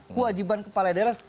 kewajiban kepala daerah